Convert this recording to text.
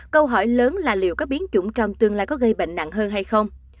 câu hỏi lớn là liệu có biến chủng trong tương lai có gây bệnh nặng hơn hay không